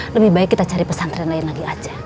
lebih baik kita cari pesantren lain lagi aceh